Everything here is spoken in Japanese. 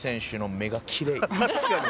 「確かに！